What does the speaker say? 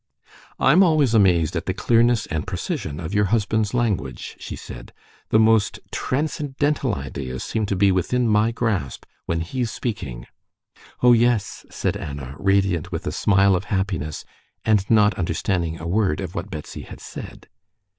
"I'm always amazed at the clearness and precision of your husband's language," she said. "The most transcendental ideas seem to be within my grasp when he's speaking." "Oh, yes!" said Anna, radiant with a smile of happiness, and not understanding a word of what Betsy had said.